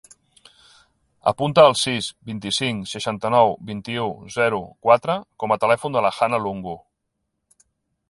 Apunta el sis, vint-i-cinc, seixanta-nou, vint-i-u, zero, quatre com a telèfon de la Hanna Lungu.